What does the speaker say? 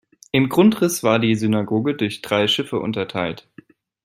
Im Grundriss war die Synagoge durch drei Schiffe unterteilt.